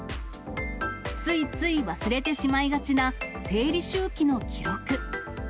ついつい忘れてしまいがちな生理周期の記録。